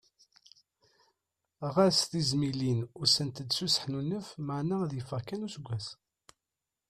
Ɣas tizmilin ussant-d s useḥnunef maɛna ad yeffeɣ kan useggas.